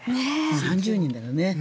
３０人だからね。